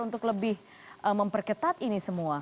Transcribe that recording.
untuk lebih memperketat ini semua